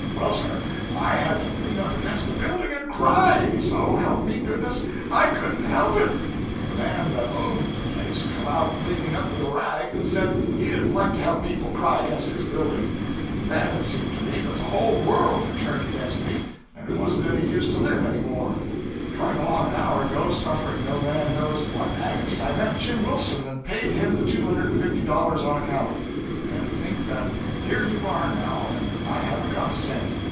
Well, sir, I had to lean up against a building and cry. So help me goodness, I couldn't help it. The man that owned the place come out cleaning up with a rag, and said he didn't like to have people cry against his building, and then it seemed to me that the whole world had turned against me, and it wasn't any use to live any more; and coming along an hour ago, suffering no man knows what agony, I met Jim Wilson and paid him the two hundred and fifty dollars on account; and to think that here you are, now, and I haven't got a cent!